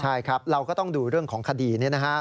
ใช่ครับเราก็ต้องดูเรื่องของคดีนี้นะฮะ